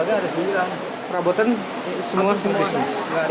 ke bawah hanyut